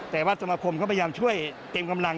แต่ว่าสมาคมก็พยายามช่วยเต็มกำลัง